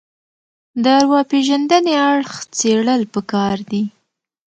له ارواپېژندنې اړخ څېړل پکار دي